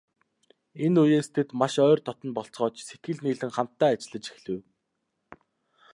Энэ үеэс тэд маш ойр дотно болцгоож, сэтгэл нийлэн хамтдаа ажиллаж эхлэв.